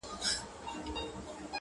زه مي د ژوند كـتـاب تــه اور اچــــــوم،